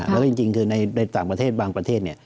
แล้วจริงคือในต่างประเทศบางประเทศ